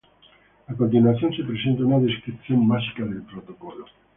A continuación se presenta una descripción básica del protocolo.